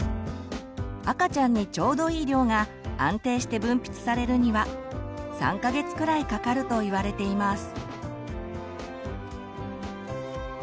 赤ちゃんにちょうどいい量が安定して分泌されるには３か月くらいかかるといわれています。